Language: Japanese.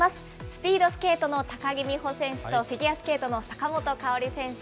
スピードスケートの高木美帆選手と、フィギュアスケートの坂本花織選手。